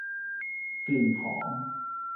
กลิ่นหอม